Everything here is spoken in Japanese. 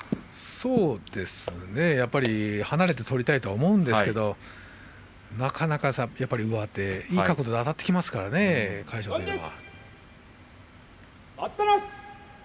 そうですね、離れて取りたいと思うんですけどもなかなか上手いい角度であたってきますからね魁勝は。